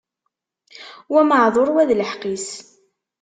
Wa meɛduṛ, wa d lḥeqq-is.